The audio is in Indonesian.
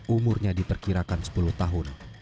umurnya diperkirakan sepuluh tahun